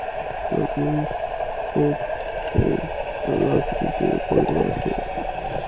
The zoospores then enlarge into polygonal cells.